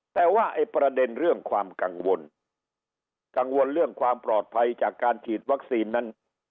แต่ว่าไอ้ประเด็นเรื่องความกังวลกังวลเรื่องความปลอดภัยจากการฉีดวัคซีนนั้น